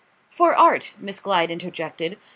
"For art " Miss Glyde interjected.